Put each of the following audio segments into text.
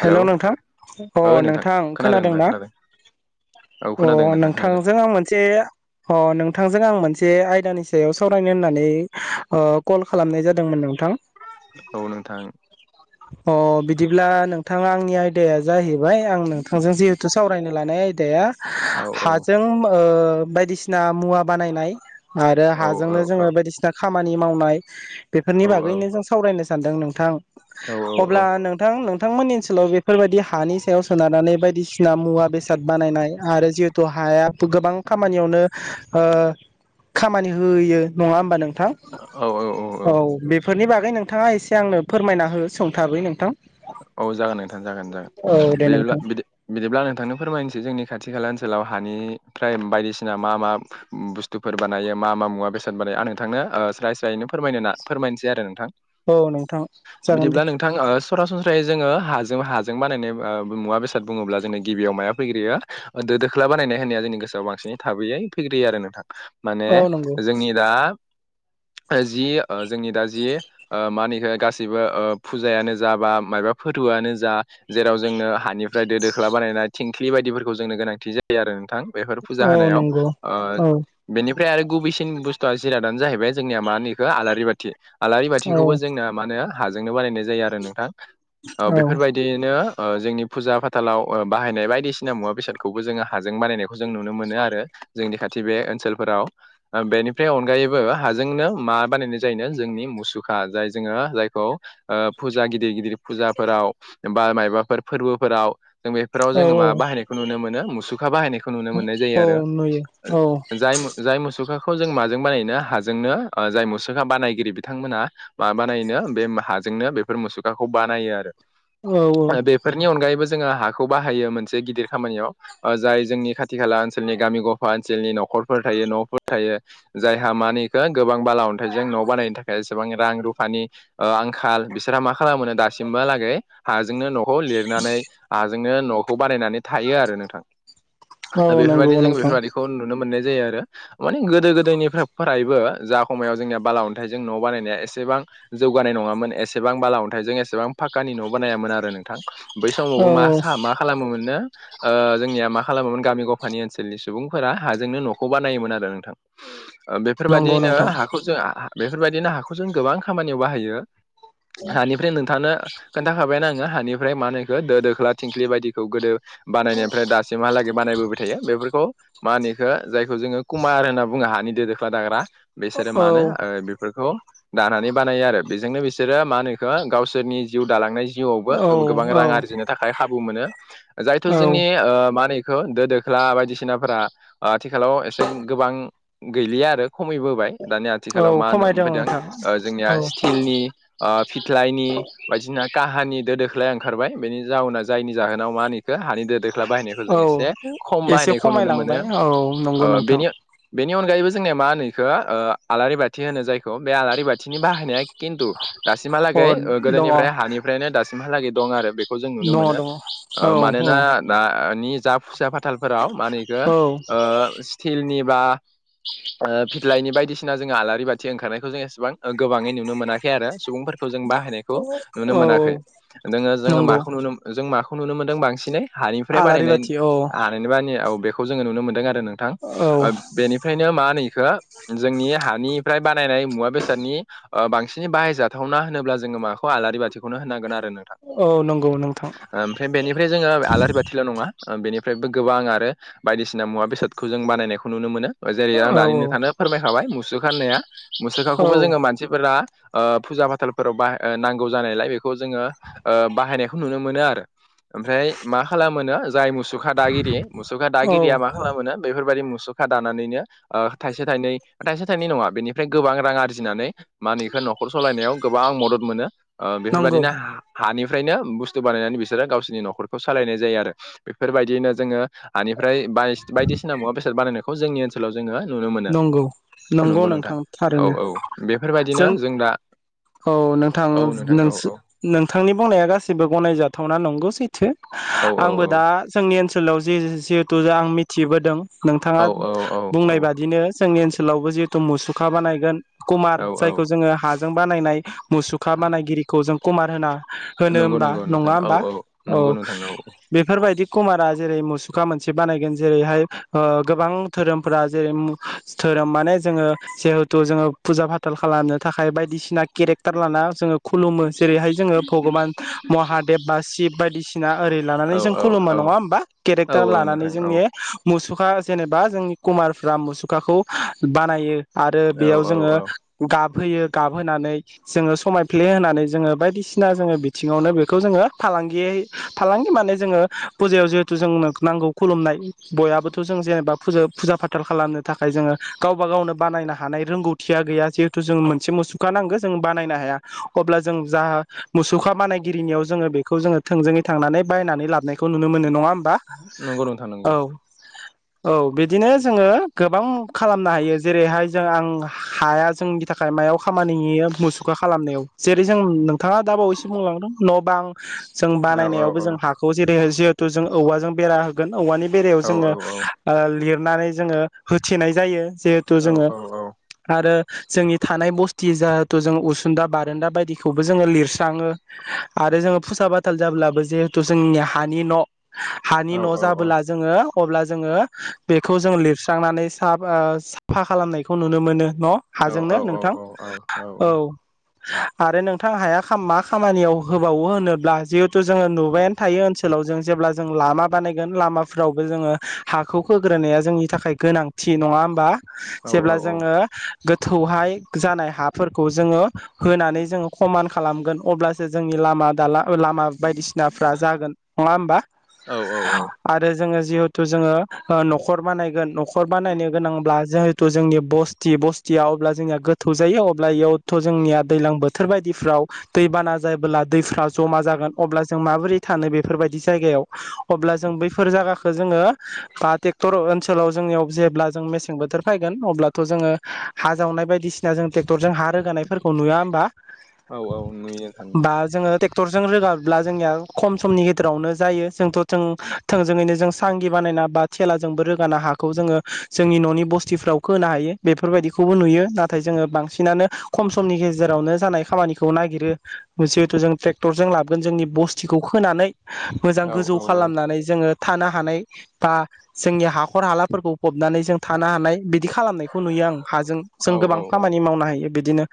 Hello hello नोंथां अ नोंथां खोनादों ना? औ अ खोनादों नोंथां खोनादों नोंथांजों मोनसे अ नोंथांजों आं मोनसे आयदानि सायाव सावरायनो होननानै कल खालामनाय जादोंमोन नोंथां। औ नोंथां। औ। अ बिदिब्ला नोंथाङा आंनि आयदाया जाहैबाय आं नोंथांजों जिहेथु सावरायनो लानाय आयदाया औ औ हाजों बायदिसिना मुवा बानायनाय आरो औ औ हाजोंनो औ जोङो बायदिसिना खामानि मावनाय बेफोरनि औ बागैनो जों सावरायनो सानदों नोंथां औ अब्ला नोंथां नोंथांमोननि ओनसोलाव बे बेफोरबायदि हानि सायाव सोनारनानै बायदिसिना मुवा बेसाद बानायनाय आरो जिहेथु हाया गोबां खामानियावनो खामानि होयो नङा होमबा नोंथां औ बे बेफोरनि बागै नोंथाङा एसे आंनो फोरमायना हो सोंथारै नोंथां । औ जागोन नोंथां जागोन जागोन दे बिदिब्ला नोंथां बिदि बिदिब्ला आं नोंथांनो फोरमायनोसै जोंनि खाथि खाला ओनसोलाव हानिफ्राय बायदिसिना मा मा बुस्थु बुथुफोर बनाय मा मा मुा बेसाद बानायो आं नोंथांनोओ स्राय स्रायैनो फोरमायनो ना फोरमायनोसै आरो नोंथां‌। औ नोंथां जागोन दे। नोंथां। सरासनस्रायै जोङो हाजों हाजों बानायनाय मुवा बेसाद बुङोब्ला जोंनो गिबियाव माया फैग्रोयो दो दोख्ला बानायनाय होननाया जोंनि गोसोआव बांसिनै थाबैयै फैग्रोयो आरो नोंथां । माने औ नंगौ जोंनि दा जि जोंनि दा जि मानिख गाससिबो फुजायानो जाबा मायबा फोरबोआनो जा जेराव जोंनो हानिफ्राय दो दोख्ला बानायनाय थिंख्लि बायदिफोरखौ जोंनो गोनांथि जायो बिदि आरो नोंथां बेफोर फुजा औ होनायाव नंगौ औ बेनिफ्राय आरो गुबैसिन बुस्थुआ जिरादानो जाहैबाय जोंनिया मा होनोखो आलारि बाथि आलारि औ बाथिखौबो जोंना मा होनो हाजोंनो बानायनाय जायो आरो नोंथां औ बेफोरबायदि बिदिनो ओ जोंनि फुजा फाथालाव बाहायनाय बायदिसिना मुवा बेसादखौबो जों हाजों बानायनायखौ जों नुनो मोनो आरो जोंनि खाथि बे ओनसोलफोराव बेनिफ्राय अनगायैबो हाजोंनो मा बानायनाय जायो जोंनि मुसुखा जाय जोङो जायखौ आ फु ुा गिदिर गिदिर फुजाफोराव बा माबाफोर फोरबोफोराव जों बेफोराव औ जोङो मा बायनाय नुनो मोनो मुसुखा बाहायनायखौ नुनो मोननाय जायो औ आरो नुयो औ जाय जाय मुसुखाखौ जों माजों बानायनो हाजोंनो जाय मुसुखा बानायगिरि बिथांमोना माबानायो बे हाजोंनो बेफोर मुसुखाखौ बानायो आरो औ औ बे बेफोरनि अनगायैबो जोंङो हाखौ बाहायो मोनसे गिदिर खामानियाव ओ जाय जोंनि खाथि खाला ओनसोलनि गामि गफा ओनसोलनि न'खरफोर थायो न'फोर थायो जायहा मानिखौ गोबां बाला अन्थाइजों न' बानायनो थाखाय सेबां रां रुफानि आंखाल मा खालामोनो दासिमबोहालागै हाजोंनो न'खौ लिरनानै हाजों नो न'खौ बानायनानै थायो आरो नोंथां औ नंगौ बेफोरबायदिनो जों नोंथां बेफोरबायदिखौ नुनो मोननाय जायो आरो माने गोदो गोदायनि फ्रायबो जा खमायाव जोंनिया बाला अन्थाइजों न' बानायनाया एसेबां जौगानाय नंङामोन एसेबां बाला अन्थाइजों एसेबां फाकानि न' बानायामोन आरो नोंथां बै औ समावबो मा सा मा खालामोमोननो ओ जोंनिया मा खालामोमोन गामि गफानि ओनसोलनि सुबुंफोरा हाजोंनो न'खौ बानायोमोन आरो नोंथां ओ नंगौ बेफोरबायदियैनो नोंथां हाखौ जों बेफोरबायदिनो हाखौ जों गोबां खामानियाव बाहायो हानिफ्राय नोंथांनो खोन्थाखाबायना आंङो हानिफ्राय मा होनोखो दो दोख्ला थिंख्लि बायदिखौ गोदो बानायनायनिमफ्राय दासिमहालागै बानायबोबाय थायो बेफोरखौ मा होनिखो जायखौ जोंङो कुमार होनना बुंङो हानि दो दोख्ला दाग्रा बिसोरो औ मा होनो ओ बेफोरखौ दानानै बानायो आरो बेजोंनो बिसोरो मा होनोखो गावसोरनि जिउ दालांनाय जिउआवबो औ गोबा गोबां औ रां आरजिनो थाखाय खाबु मोनो जायथ' औ जोंनि ओ माहोनो खो दो दोख्ला बायदिसिनाफोरा आथिखालाव एसे गोबां गैलिया आरो खमैबोबाय दानिया औ आथिखालाव मा होन खमायदों फैदों नोंथां जोंनिया स्टिलनि ओ फिथ्लाायनि बायदिसिना काहानि दो दोख्लाया ओंखारबाय बेनि जाउोनाव जायनि जाहोनाव माानिखो हानि दो दोख्ला बाहायनायखौ औ जों एसे खम एसे बाहायनायखौ नुनो मोनो खमायलांबाय औ नंगौ ओ नोंथां बेनि बेनि अनगायैबो जोंनिया मा होनो एखौ आलारि बाथि होनो जायखौ बे आलारि बाथिनि बाहायनाया खिन्थु अ दासिमहालागै ओ दङ गोदोनिफ्राय हानिफ्रायनो दासिमहालागै दं आरो बे खौ जों नुनो दङ मोनो दङ औ ओ औ मानोना दानि जा खुसि फाथालफोराव मानिखो औ स्टिलनि बा फिथलायनि बायदिसिना जोंङो आलारि बाथि ओंखारनायखौ जों एसेबां गोबांङै नुनो मोनाखै आरो सुबुंफोरखौ जों बाहायनायखौ नुनो औ मोनाखै नोंङो जोंङो नंगौ माखौ नुनो जों माखौ नुनो मोनदों बांसिनै हानिफ्राय आलारि बानायनाय बाथि औ [unintelligible] औ बेखौ जोंङो नुनो मोनदों आरो नोंथां औ ओ बेनिफ्रायनो मा होनोखो जोंनि हानिफ्राय बानायनाय मुवा बेसादनि ओ बांसिन बाहायजाब थावना होनोब्ला जोंङो माखौ आलारि बाथिखौनो होननांगोन आरो नों औ नंगौ नोंथां ओमफ्राय बेनिफ्राय जोंङो आलारि बाथिल' नंङा बेनिफ्रायबो गोबां आरो बायदिसिना मुवा बेसादखौ जों बानायनायखौ नुनो मोनो जेरै औ आं दानिनो थानो फोरमायखाबाय मुसुखा होननाया औ मुसुखाखौबो जोंङो मानसिफोरा ओ फुजा फाथालफोराव बाहाय ओ नांगौ जानायलाय बेखौ जोंङो ओ बाहायनायखौ नुनो मोनो आरो ओमफ्राय मा खालामो जाय मुसुखा दागिरि मुसुखा औ दागिरिया मा खालामोनो बेफोरबायाददि मुसुखा दानानैनो थाइसे थाइनै थाइसे थाइनै नङा बेनिफ्राय गोबां रां आरजिनानै मा होनो इखौ न'खर सालायनायाव गोबां मदद मोनो नंगौ बेफोरबायदिनो हा हानिफ्रायनो बुस्थु बानायनानै बिसोरो गावसिरनि न'खरखौ सालायनाय जायो आरो बेफोरबायदियैनो जोङो हानिफ्राय ब बायदिसिना मुवा बेसाद बानायखौ जोंनि ओनसो ओनसोलाव जोङो नुनो मोनो नंगौ नंगौ नोंथां औ औ बेफोरबायदिनो जों दा औ नोंथां औ नोंथां औ नोंस औ नोंथांनि बुंनाया गासिबो गनायजाथावना नंगौ सैथो औ आंबो औ दा जोंनि ओनसोलाव जि जिहेतु आं मिथिबोदों नोंथांङा औ औ बुंनाय बादि बिदिनो जोंनि ओनसोलावबो जिहेतु मुसुखा बानायगोन कुमार औ औ जायखौ जोंङो हाजों बानायनाय मुसुखा बानायगिरिखौ जों कुमार होना होनो नंगौ होमबा नंङा औ होमबा औ औ नंगौ नोंथां नंगौ बेफोरबायदि कुमारा जेरै मुसुखा मोनसे बानायगोन जेरैहाय ओ गोबां धोरोमफोरा जेरै मु धोरोम माने जोङो जिहेथु जोङो फुजा फाथाल खालामनो थाखाय बायदिसिना केरेक्टार लाना जोङो खुलुमो जेरैहाय जोङो भगबान महादेब बा शिब बायदिसिना ओरै औ लानानै जों औ खुलुमो औ नङा होमबा औ केरेक्टार औ लानानै नोंथां औ जोंनि मुसुखा जेनेबा जोंनि कुमारफ्रा मुसुखाखौ बानायो। आरो औ बेयाव औ जोङो औ गाबहोयो गाबहोनानै जोङो समायफ्ले होनानै जोङो बायदिसिना जोङो बिथिङावनो बेखौ जोङो फालांगियै फालांगि माने जोङो फुजायाव जिहेथु जोंनो नांगौ खुलुमनाय बयाबोथ' जों जेनेबा फुज फुजा फाथाल खालामनो थाखाय जोङो गावबा गावनो बानायनो हानाय रोंगौथिया गैया जिहेथु जों मोनसे मुसुखा नांगौ जों बानायनो हाया अब्ला जों जा मुसुखा बानायगिरिनियाव जोङो बेखौ जोङो थोंजोङै थांनानै बायनानै लाबनाय खौ नुनो मोनो नङा होनबा नंगौ नोंथां नंगौ औ बिदिनो जोङो गोबां खालामनो हायो जेरैहाय जों आं हाया जोंनि थाखाय मायाव खामानि होयो मोसु खा खालामनायाव जेरै जों नोंथाङा दा बावैसो बुंलांदों न' बां जों औ औ बानायनायावबो औ जों हा खौ जेरै जिहेतु जों औवाजों बेरा होगोन औवानि बेरायाव औ जोङो लिरनानै जोङो होथेनाय जायो जिहेथु जोङो आरो जोंनि थानाय बस्थि जाहेथु जों उसुंदा बारान्दा बायदिखौबो जोङो लिरस्राङो आरो जोङो फुसा बाथाल जाब्लाबो जिहेथु जोंनिया हानि न' हानि औ औ न' औ औ जाबोला जोङो अब्ला जोङो बेखौ जों लिर स्रांनानै सा ओ साफा खालामनायखौ नुनो मोनो न' हाजोंनो नोंथां औ आरो नोंथां हाया खाम-मा खामानियाव होबावो होनोब्ला जिहेथु जोङो नुबायानो थायो ओनसोलाव जों जेब्ला जों लामा बानायगोन लामाफोरावबो जोङो हाखौ होग्रोनाया जोंनि थाखाय गोनांथि नङा होमबा औ जेब्ला औ जोङो गोथौहाय जानाय हाफोरखौ जोङो होनानै जोङो खमान खालामगोन अब्लासो जोंनि लामा दाला लामा बायदिसिनाफ्रा जागोन नङा होमबा औ औ औ आरो जोङो जिहेथु जोङो न'खर बानायगोन न'खर बानायनो गोनांब्ला जो थु जोंनि बस्थि बस्थिया अब्ला जोंनिया गोथौ जायो अब्ला एयावथ' जोंनिया दैज्लां बोथोर बायदिफ्राव दै बाना जायोबोब्ला दैफ्रा जमा जागोन अब्ला जों माबोरै थानो बेफोरबायदि जायगायाव अब्ला जों बैफोर जागाखौ जोङो हा ट्रेक्टर ओनसोलाव जोंनियाव जेब्ला जों मेसें बोथोर फायगोन अब्लाथ' जोङो हा जावनाय बायसिना जों ट्रेक्टरजों हा रोगानाय फोरखौ नुया होमबा औ औ नुयो नोंथां नुयो बा जोङो टेक क्टरजों रोगाब्ला जोंनिया खम समनि गेजेरावनो जायो जोंथ' जों थोंजोङैनो जों सांगि बानायना बा थेलाजोंबो रोगाना हाखौ जोङो जोंनि न'नि बस्तफ्राव खोहोनो हायो बेफोरबायदिखौबो नुयो नाथाय जोङो बांसिनानो खम समनि गेजेरावनो जानाय खामानिखौ नागिरो जिहेथु जों ट्रेक्टरजों लाबोगोन जोंनि बस्तिखौ खोनानै मोजां औ गोजौ औ खालामनानै जोङो थानो हानाय बा जोंनि हाखर हालाफोरखौ फबनानै जों थानो हानाय बिदि खालामनायखौ नुयो आं हाजों औ जों औ गोबां खामानि मावनो हायो बिदिनो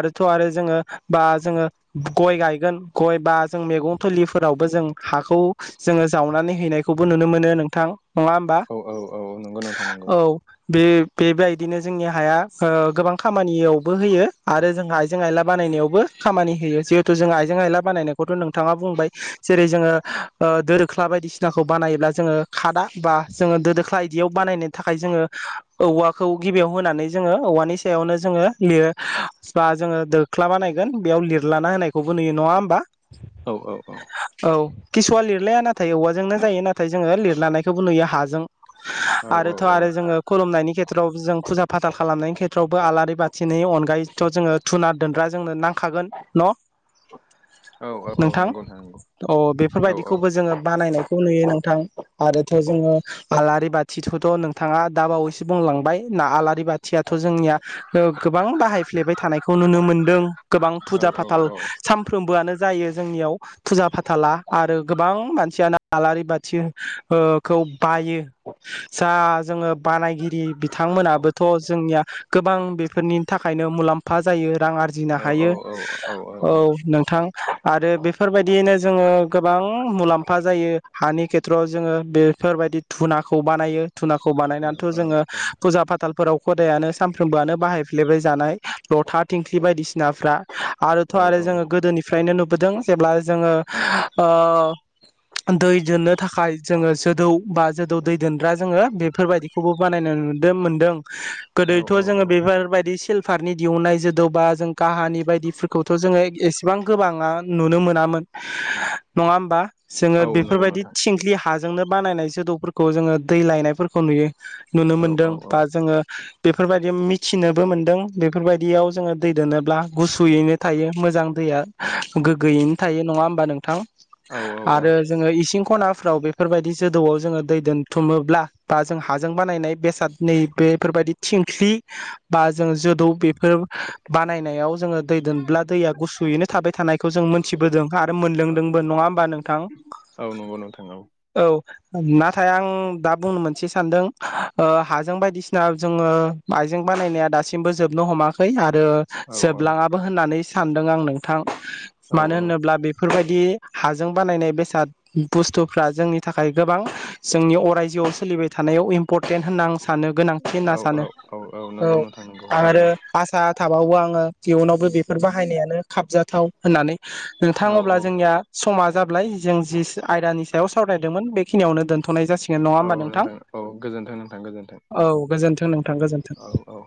आरोथ' आरो जोङो बा जोङो गय गायगोन गय बा जों मैगं फोलिफोरावबो जों हाखौ जोङो जावनानै हैनायखौबो नुनो मोनो नोंथां नङा होमबा औ औ नंगौ नोंथा नोंगौ औ बे बेबायदिनो जोंनि हाया गोबां खामानियावबो होयो आरो जोंहा आइजें आइला बानायनायावबो खामानि होयो जिहेथु जों आइजें आयला बानायनायखौथ' नोंथाङा बुंबाय जेरै जोङो ओ दो दोख्ला बायदिसिनाखौ बानायोब्ला जोङो खादा बा जोङो दो दोख्ला बिदियाव बानायनो थाखाय जोङो औवाखौ गिबियाव होनानै जोङो औवानि सायावनो जोङो लिर बा जोङो दोख्ला बाानायगोन बेयाव लिरलाना होनायखौबो नुयो नङा होमबा औ औ औ औ किसुआ लिरलाया नाथाय औवाजोंनो जायो नाथाय जोङो लिरलानायखौबो नुयो हाजों औ आरो थ' आरो जोङो खुलुमनायनि खे्रआव जों फुजा फाथाल खालामनायनि खेथ्रआवबो आलारि बाथिनि अनगायैथ' जोङो धुना दोनग्रा जोंनो नांखागोन न' औ औ औ नोंथां नंगौ नंगौ अ औ औ बेफोरबायदिखौबो जोङो बानायनाय खौ नुयो नोंथां आरोथ' जोङो आलारि बाथिथथ' नोंथाङा दा बावैसो बुंलांबाय ना आलारि बाथियाथ' जोंनिया ओ गोबां बाहायफ्लेबाय थानायखौ नुनो मोनदों गोबां फुजा औ फाथाल सानफ्रोमबोआनो जायो जोंनियाव फुजा फाथाला आरो गोबां मानसियानो आलारि बाथि ओ खौ बायो जा जोङो बानायगिरि बिथांमोनाबोथ' जोंनिया गोबां बेफोरनि थाखायनो मुलाम्फा जायो राङारि जिनो औ हायो औ नोंथां आरो बेफोरबायदियैनो जोङो गोबां मुलाम्फा जायो हानि खे थ्र'वाव जोङो बेफोरबायदि धुनाखौ बानायो धुनाखौ बानायनानैथ' जोङो फुजा फाथालफोराव खदायानो सानफ्रोमबोआनो बाहायफ्लेबाय जानाय लथा, थिंख्लि बायदिसिनाफ्रा आरोथ' औ आरो जोङो गोदोनिफ्रायनो नुबोदों जेब्ला जोङो ओ दै दोननो थाखाय जोङो जोदौ बा जोदौ दै दोनग्रा जोङो बेफोरबायाददिखौबो बानायनो नुदों मोनदों औ गोदोथ' जोङो बेफोरबायदि सिल फारनि दिहुननाय जोदौबा जों काहानि बायदिफोरखौथ' जोङो एसेबां गोबाङा नुनो मोनामोन नङा होमबा जोङो औ नंगौ बेफोरबायदि नोंथां थिंख्लि हाजोंनो बानायनाय जोदौफोरखौ जोङो दै लायनायफोरखौ नुयो नुनो औ मोनदों औ बा जोङो बेफोरबायदि मिथिनोबो मोनदों बेफोरबायदियाव जोङो दै दोनोब्ला गुसुयैनो थायो मोजां दैया गोग्गोयैनो थायो नङा होमबा नोंथां औ आरो औ जोङो इसिं खनाफ्राव बेफोरबायदि जोदौआव जोङो दै दोनथुमोब्ला बा जों हाजों बानायनाय बेसाद नै बेफोरबायदि थिंख्लि बा जों जोदौ बेफोर बानायनायाव जोङो दै दोनब्ला दैया गुसुयैनो थाबाय थानायखौ जों मोनथिबोदों आरो मोनलोंदोंबो नङा होमबा नोंथां औ नंगौ नोंथां औ औ नाथाय आं दा बुंनो मोनसे सानदों ओ हाजों बायदिसिना जोङो आाइजें बानायनाया दासिमबो जोबनो हमाखै आरो औ जोबलाङाबो होननानै सानदों आं नोंथां औ मानो औ होनोब्ला बे फोरबायदि हाजों बानायनाय बेसाद बुस्थुफ्रा जोंनि थाखाय गोबां जोंनि अरायजोआव सोलिबाय थानायाव इम्परटेन्ट होनना आं सानो गोनांथि होनना औ सानो नंगौ औ नोंथां नंगौ आरो थारैनो भासा थाबावो आङो इयुनावबो बेफोर बाहायनायानो खाबजाथाव होननानै नोंथां औ अब्ला जोंनिया समा जाबलाय जों जि आयदानि सायाव सावरायदोंमोन बेखिनियावनो दोन थ'नाय जासिगोन नङा होमबा औ नोंथां औ गोजोन्थों नोंथां गोजोन्थों औ गोजोनथों नोंथां गोजोनथों औ औ